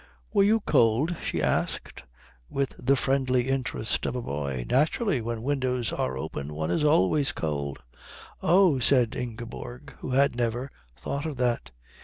"Were you cold?" she asked, with the friendly interest of a boy. "Naturally. When windows are open one is always cold." "Oh!" said Ingeborg, who had never thought of that.